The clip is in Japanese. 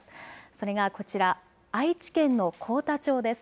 それがこちら、愛知県の幸田町です。